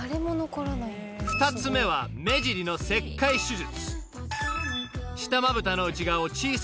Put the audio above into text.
［２つ目は目尻の切開手術］